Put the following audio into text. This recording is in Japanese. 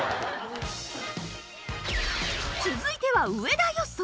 続いては上田予想。